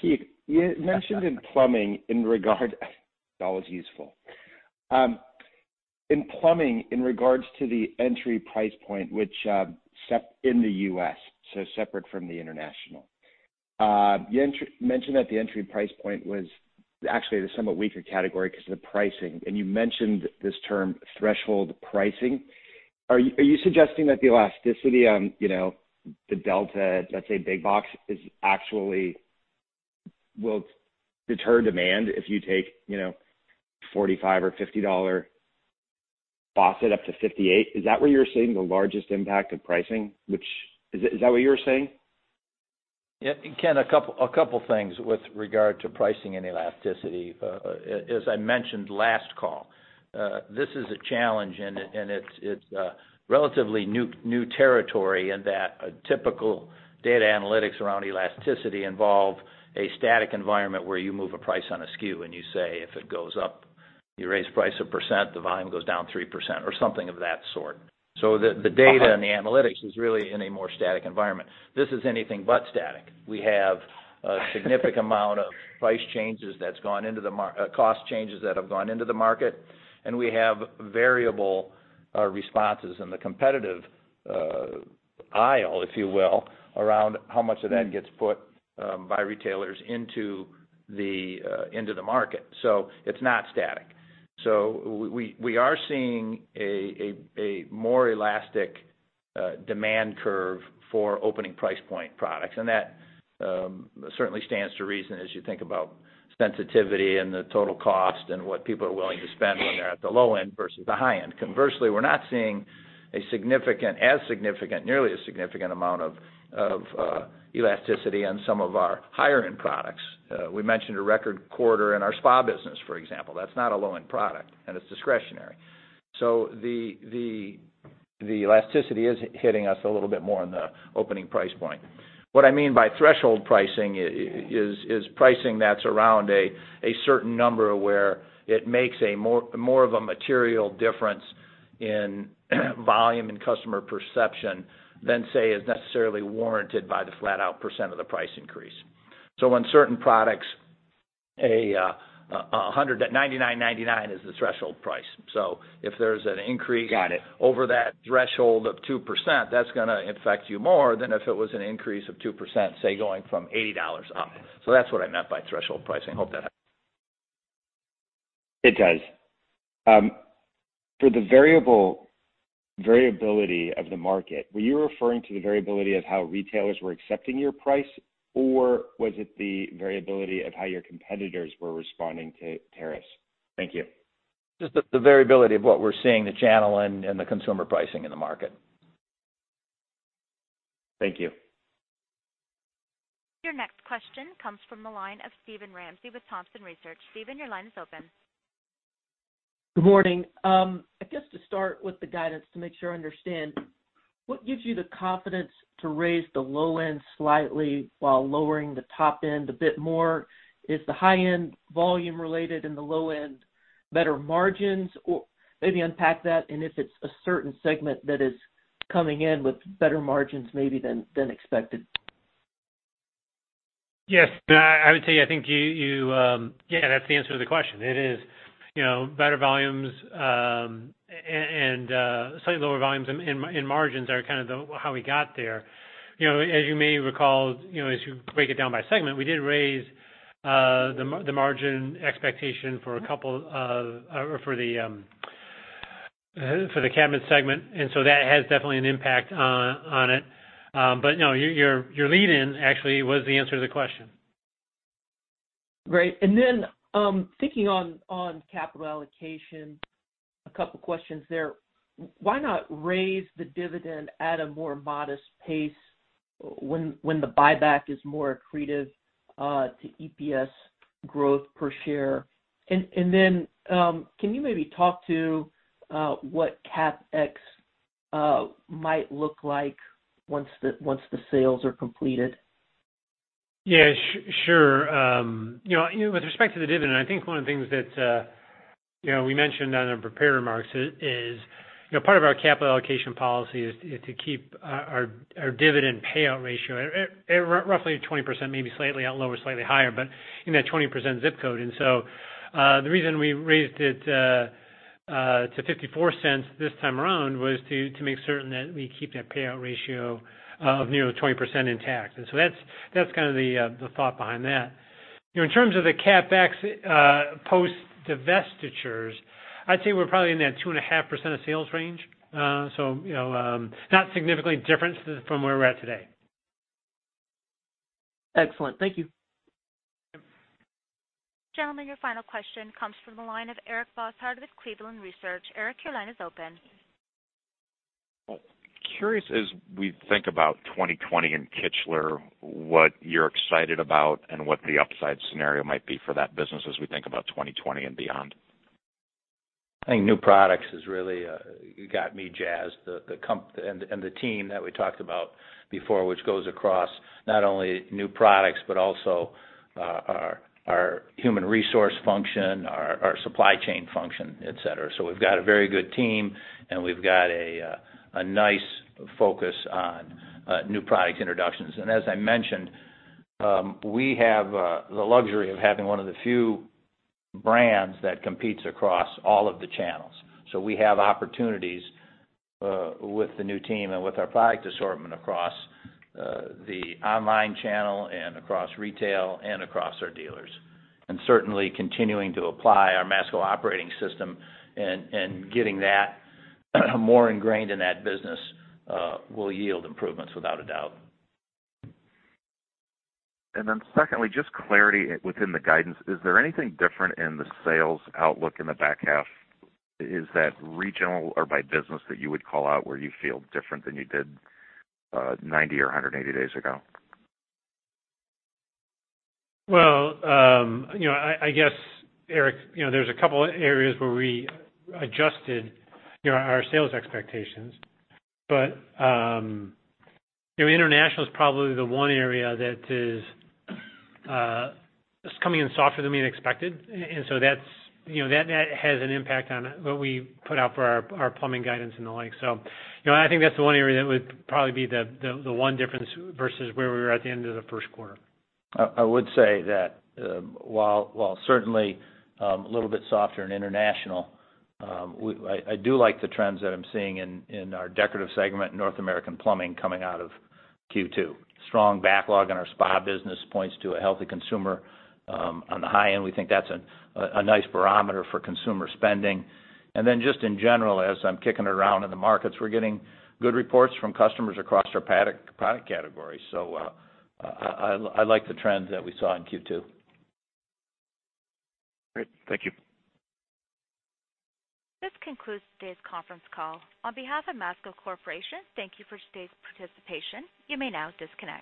Keith, you mentioned in plumbing that was useful. In plumbing, in regards to the entry price point, which set in the U.S., so separate from the international. You mentioned that the entry price point was actually the somewhat weaker category because of the pricing, and you mentioned this term, threshold pricing. Are you suggesting that the elasticity on the Delta, let's say big box, actually will deter demand if you take $45 or $50 faucet up to $58? Is that where you're seeing the largest impact of pricing? Is that what you were saying? Yeah. Ken, a couple things with regard to pricing and elasticity. As I mentioned last call, this is a challenge, and it's relatively new territory in that a typical data analytics around elasticity involve a static environment where you move a price on a SKU, and you say, "If it goes up, you raise price 1%, the volume goes down 3%," or something of that sort. The data and the analytics is really in a more static environment. This is anything but static. We have a significant amount of cost changes that have gone into the market, and we have variable responses in the competitive aisle, if you will, around how much of that gets put by retailers into the market. It's not static. We are seeing a more elastic demand curve for opening price point products. That certainly stands to reason as you think about sensitivity and the total cost and what people are willing to spend when they're at the low end versus the high end. Conversely, we're not seeing as significant, nearly a significant amount of elasticity on some of our higher end products. We mentioned a record quarter in our spa business, for example. That's not a low-end product, and it's discretionary. The elasticity is hitting us a little bit more on the opening price point. What I mean by threshold pricing is pricing that's around a certain number where it makes more of a material difference in volume and customer perception than, say, is necessarily warranted by the flat out % of the price increase. On certain products, $99.99 is the threshold price. Got it. over that threshold of 2%, that's going to affect you more than if it was an increase of 2%, say, going from $80 up. That's what I meant by threshold pricing. Hope that helps. It does. For the variability of the market, were you referring to the variability of how retailers were accepting your price, or was it the variability of how your competitors were responding to tariffs? Thank you. Just the variability of what we're seeing, the channel and the consumer pricing in the market. Thank you. Your next question comes from the line of Steven Ramsey with Thompson Research. Steven, your line is open. Good morning. I guess to start with the guidance to make sure I understand, what gives you the confidence to raise the low end slightly while lowering the top end a bit more? Is the high end volume related and the low end better margins? Maybe unpack that, and if it's a certain segment that is coming in with better margins maybe than expected. Yes. I would say I think Yeah, that's the answer to the question. It is better volumes, slightly lower volumes in margins are kind of how we got there. As you may recall, as you break it down by segment, we did raise the margin expectation for the cabinet segment. That has definitely an impact on it. No, your lead-in actually was the answer to the question. Great. Thinking on capital allocation, a couple questions there. Why not raise the dividend at a more modest pace when the buyback is more accretive to EPS growth per share? Can you maybe talk to what CapEx might look like once the sales are completed? Yeah, sure. With respect to the dividend, I think one of the things that we mentioned on our prepared remarks is part of our capital allocation policy is to keep our dividend payout ratio at roughly 20%, maybe slightly lower, slightly higher, but in that 20% ZIP code. The reason we raised it to $0.54 this time around was to make certain that we keep that payout ratio of near 20% intact. That's kind of the thought behind that. In terms of the CapEx post-divestitures, I'd say we're probably in that 2.5% of sales range. Not significantly different from where we're at today. Excellent. Thank you. Yep. Gentlemen, your final question comes from the line of Eric Bosshard with Cleveland Research. Eric, your line is open. Curious as we think about 2020 and Kichler, what you're excited about and what the upside scenario might be for that business as we think about 2020 and beyond? I think new products has really got me jazzed. The team that we talked about before, which goes across not only new products, but also our human resource function, our supply chain function, et cetera. We've got a very good team, and we've got a nice focus on new product introductions. As I mentioned, we have the luxury of having one of the few brands that competes across all of the channels. We have opportunities with the new team and with our product assortment across the online channel and across retail and across our dealers. Certainly continuing to apply our Masco Operating System and getting that more ingrained in that business will yield improvements, without a doubt. Secondly, just clarity within the guidance. Is there anything different in the sales outlook in the back half? Is that regional or by business that you would call out where you feel different than you did 90 or 180 days ago? Well, I guess, Eric, there's a couple areas where we adjusted our sales expectations. International is probably the one area that is coming in softer than we expected. That has an impact on what we put out for our plumbing guidance and the like. I think that's the one area that would probably be the one difference versus where we were at the end of the first quarter. I would say that while certainly a little bit softer in International, I do like the trends that I'm seeing in our Decorative segment and North American plumbing coming out of Q2. Strong backlog in our spa business points to a healthy consumer. On the high end, we think that's a nice barometer for consumer spending. Then just in general, as I'm kicking around in the markets, we're getting good reports from customers across our product category. I like the trends that we saw in Q2. Great. Thank you. This concludes today's conference call. On behalf of Masco Corporation, thank you for today's participation. You may now disconnect.